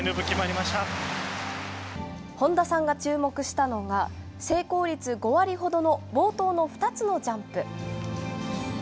本田さんが注目したのが、成功率５割ほどの冒頭の２つのジャンプ。